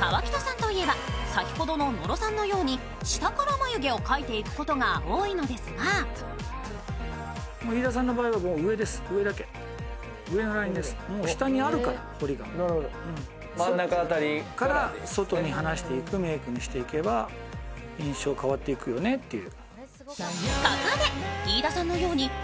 河北さんといえば、先ほどの野呂さんのように下から眉毛を描いていくことが多いのですが真ん中辺りから外に離していくメイクにしていけば印象変わっていくよねという。